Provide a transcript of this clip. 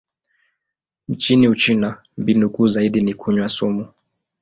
Nchini Uchina, mbinu kuu zaidi ni kunywa sumu.